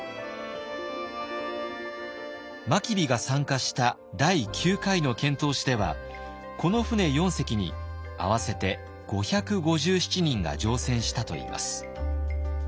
真備が参加した第９回の遣唐使ではこの船４隻に合わせて５５７人が乗船したといいます。